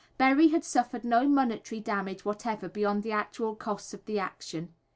Berry had suffered no monetary damage whatever beyond the actual costs of the action.